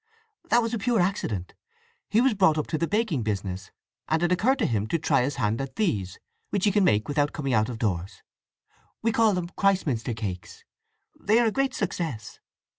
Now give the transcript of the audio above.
"That's a pure accident. He was brought up to the baking business, and it occurred to him to try his hand at these, which he can make without coming out of doors. We call them Christminster cakes. They are a great success."